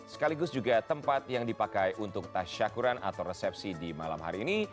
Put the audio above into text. sekaligus juga tempat yang dipakai untuk tasyakuran atau resepsi di malam hari ini